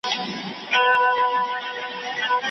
او د لنډو کیسو لیکوال وو.